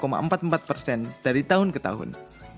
meningkat tiga puluh empat puluh empat dari tahun ke tahun